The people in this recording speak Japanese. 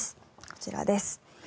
こちらです。